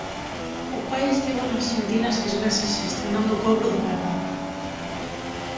O pai estivo na Arxentina seis meses xestionando o cobro dunha herdanza.